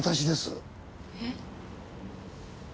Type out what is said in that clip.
えっ！？